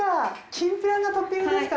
きんぴらがトッピングですか。